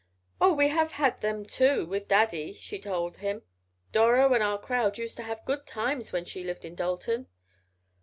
"Oh, we have had them too, with Daddy," she told him. "Doro and our crowd used to have good times when she lived in Dalton."